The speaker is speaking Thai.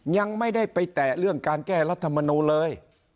ยังไม่ได้ไปแตะเรื่องการแก้รัฐมนูลเลย